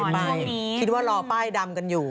ลงไปไปคิดว่าหรอกป้ายดำกันอยู่